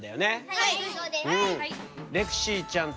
はい。